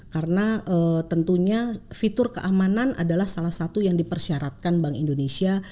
karena tentunya fitur keamanan adalah salah satu yang dipersyaratkan bank indonesia